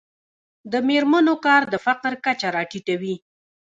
د میرمنو کار د فقر کچه راټیټوي.